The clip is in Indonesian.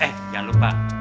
eh jangan lupa